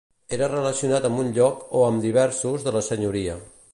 Era relacionat amb un lloc o amb diversos de la senyoria.